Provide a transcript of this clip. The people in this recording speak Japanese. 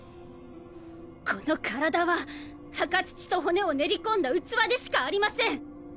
この身体は墓土と骨を練り込んだ器でしかありません。